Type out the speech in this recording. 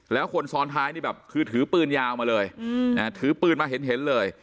และคนซ้อนท้ายคือถือปืนยาวมาเลย